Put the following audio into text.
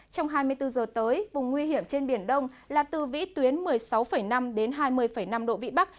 trong hai mươi bốn giờ tới vùng nguy hiểm trên biển đông là từ vĩ tuyến một mươi sáu năm đến hai mươi năm độ vị bắc